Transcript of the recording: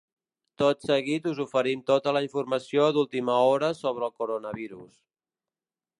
Tot seguit us oferim tota la informació d’última hora sobre el coronavirus.